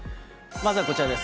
まずはこちらです。